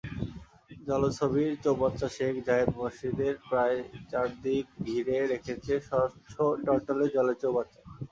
জলছবির চৌবাচ্চাশেখ জায়েদ মসজিদের প্রায় চারদিক ঘিরে রেখেছে স্বচ্ছ টলটলে জলের চৌবাচ্চা।